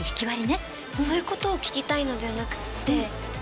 そういうことを聞きたいのではなくって。